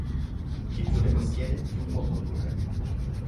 Chi più ne possiede più può produrre.